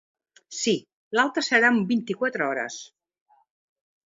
Sí, l'alta serà en vint-i-quatre hores.